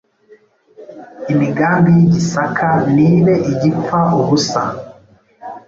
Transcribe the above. imigambi y’i Gisaka nibe igipfa ubusa.